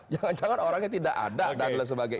jangan jangan orangnya tidak ada dan lain sebagainya